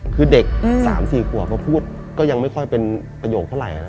คือเด็กอืมสามสี่ครัวเขาพูดก็ยังไม่ค่อยเป็นประโยคเท่าไรน่ะ